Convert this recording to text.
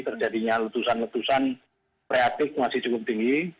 terjadinya letusan letusan kreatif masih cukup tinggi